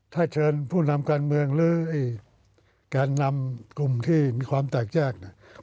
ถ้าเชิญผู้นำการเมืองหรือแกนนำกลุ่มที่มีความแตกแยกเนี่ย